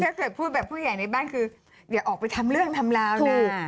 ถ้าเกิดพูดแบบผู้ใหญ่ในบ้านคือเดี๋ยวออกไปทำเรื่องทำแล้วนะ